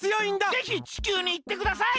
ぜひ地球にいってください！